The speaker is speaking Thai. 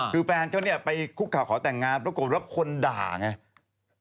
คือแฟนเขาเนี่ยไปคุกข่าวขอแต่งงานปรากฏว่าคนด่าไง